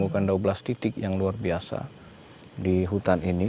menemukan dua belas titik yang luar biasa di hutan ini